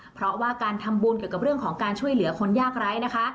เพราะว่าการทำบุญเกี่ยวกับเรื่องของการช่วยเหลือคนยากไร้นะคะ